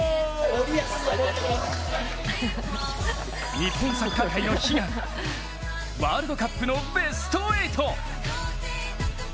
日本サッカー界の悲願ワールドカップのベスト８。